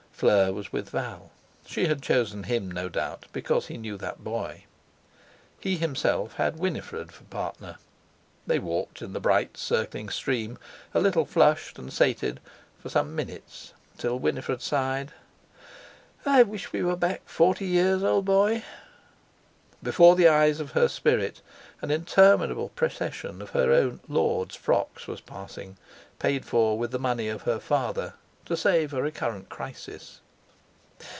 Fleur was with Val; she had chosen him, no doubt, because he knew that boy. He himself had Winifred for partner. They walked in the bright, circling stream, a little flushed and sated, for some minutes, till Winifred sighed: "I wish we were back forty years, old boy!" Before the eyes of her spirit an interminable procession of her own "Lord's" frocks was passing, paid for with the money of her father, to save a recurrent crisis.